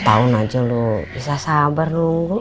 dua tahun aja lo bisa sabar nunggu